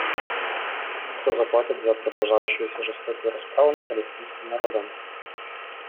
Кто заплатит за продолжающуюся жестокую расправу над палестинским народом?